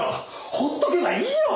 放っとけばいいよ！